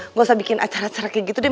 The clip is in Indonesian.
nggak usah bikin acara acara kayak gitu deh